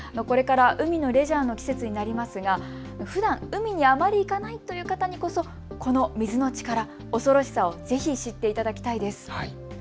これから海のレジャーの季節になりますがふだん海にはあまり行かないという方にこそ、この水の力、恐ろしさをぜひ知っていただきたいです。